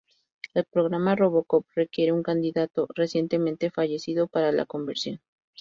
El programa "RoboCop" requiere a un "candidato" recientemente fallecido para la conversión.